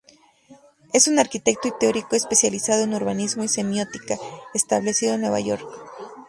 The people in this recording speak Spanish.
Es un arquitecto y teórico especializado en urbanismo y semiótica, establecido en Nueva York.